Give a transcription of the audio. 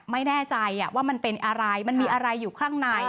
ไม่แน่ใจว่ามันเป็นอะไรมันมีอะไรอยู่ข้างใน